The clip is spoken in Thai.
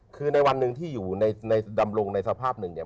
คือในวันหนึ่งที่อยู่ในดำรงในสภาพหนึ่งเนี่ย